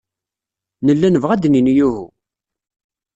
Nella nebɣa ad d-nini uhu.